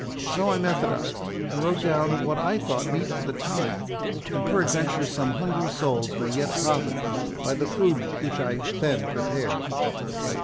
So I methodised, and wrote down what I thought meet for the time, and peradventure some hungry souls may yet profit by the food which I then prepared."